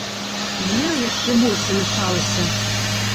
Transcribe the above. Вера яшчэ больш замяшалася.